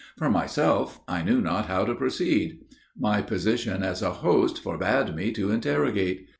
For myself, I knew not how to proceed. My position as a host forbade me to interrogate.